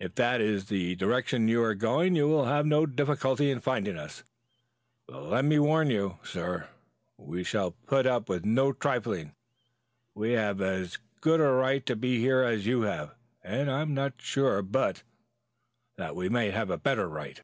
If that is the direction you are going you will have no difficulty in finding us. But let me warn you, sir, we shall put up with no trifling. We have as good a right to be here as have you, and I am not sure but that we have a better right."